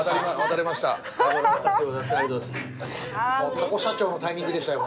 タコ社長のタイミングでした今。